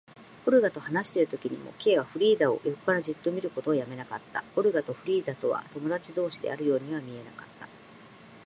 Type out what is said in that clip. オルガと話しているときにも、Ｋ はフリーダを横からじっと見ることをやめなかった。オルガとフリーダとは友だち同士であるようには見えなかった。